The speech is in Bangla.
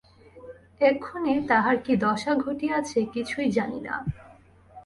এক্ষণে তাঁহার কি দশা ঘটিয়াছে কিছুই জানি না।